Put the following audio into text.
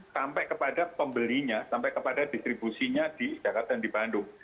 sampai kepada pembelinya sampai kepada distribusinya di jakarta dan di bandung